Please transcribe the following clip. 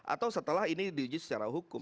atau setelah ini diuji secara hukum